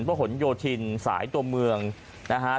หนโยธินสายตัวเมืองนะฮะ